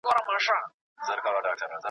ناوړه طبیب .